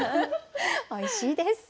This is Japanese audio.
おいしいです。